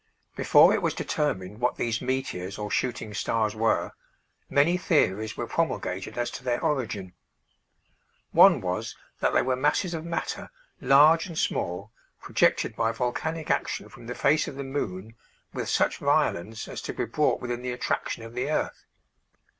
Before it was determined what these meteors or shooting stars were, many theories were promulgated as to their origin. One was that they were masses of matter, large and small, projected by volcanic action from the face of the moon with such violence as to be brought within the attraction of the earth.